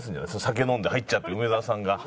酒飲んで入っちゃって梅沢さんが。